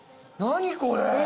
何これ。